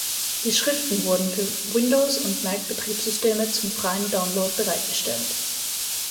Die Schriften wurden für Windows- und Mac-Betriebssysteme zum freien Download bereitgestellt.